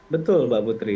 betul mbak putri